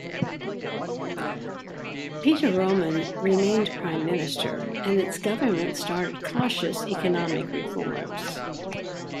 Petre Roman remained Prime Minister, and its government started cautious economic reforms.